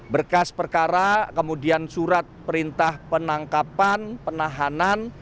berkas perkara kemudian surat perintah penangkapan penahanan